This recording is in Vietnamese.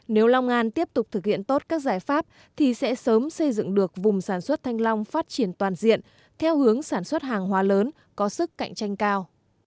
nếu long an tiếp tục thực hiện tốt các giải pháp thì sẽ sớm xây dựng được vùng sản xuất thanh long phát triển toàn diện theo hướng sản xuất hàng hóa lớn có sức cạnh tranh cao